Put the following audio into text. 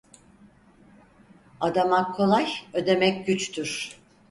Adamak kolay, ödemek güçtür.